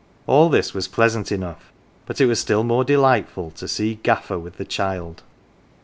All this was pleasant enough, but it was still more delight ful to see " Gaffer " with the child.